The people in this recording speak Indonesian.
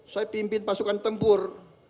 saya pimpin pasukan tempur